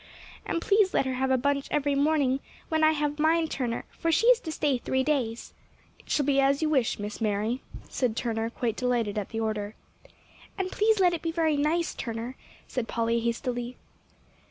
And please let her have a bunch every morning when I have mine, Turner, for she is to stay three days." "It shall be as you wish, Miss Mary," said Turner, quite delighted at the order. "And please let it be very nice, Turner," said Polly hastily.